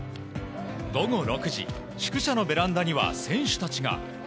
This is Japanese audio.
午後６時、宿舎のベランダには選手たちが。